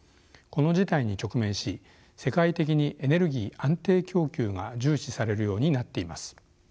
この事態に直面し世界的にエネルギー安定供給が重視されるようになっています。